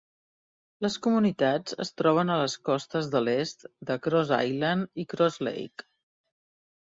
Les comunitats es troben a les costes de l'est de Cross Island i Cross Lake.